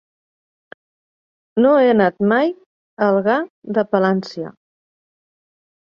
No he anat mai a Algar de Palància.